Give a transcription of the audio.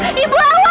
dokter bantu tolong